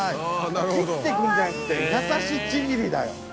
切ってくんじゃなくて優しいちぎりだ。